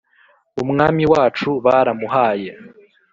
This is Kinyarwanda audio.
umwami wacu baramuhaye